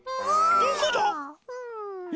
どこだ？え？